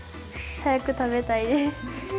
早く食べたいです。